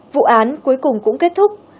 vụ án cuối cùng cũng kết thúc